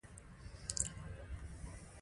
علي په خپلو کړنو سره د خپلو نیکونو قبرونه ولړزول.